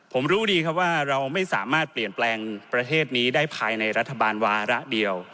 ผมรู้ดีครับว่าเราไม่สามารถเปลี่ยนแปลงประเทศนี้ได้ภายในรัฐบาลวาระเดียว